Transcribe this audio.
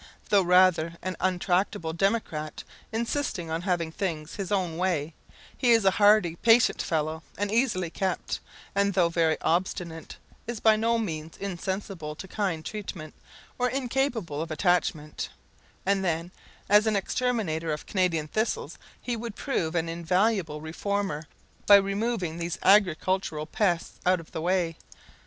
Though rather an untractable democrat, insisting on having things his own way, he is a hardy, patient fellow, and easily kept; and though very obstinate, is by no means insensible to kind treatment, or incapable of attachment; and then, as an exterminator of Canadian thistles, he would prove an invaluable reformer by removing these agricultural pests out of the way.